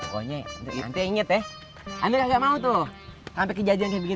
kalau mau kene lei